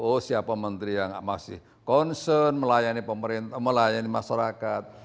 oh siapa menteri yang masih concern melayani masyarakat